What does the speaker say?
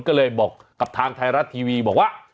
ก็เลยบอกกับทางไทยรัฐทีวีบอกว่า